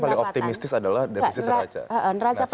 tapi yang paling optimistis adalah defisit neraca